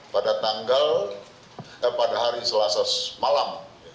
pada tanggal dan pada hari selasa malam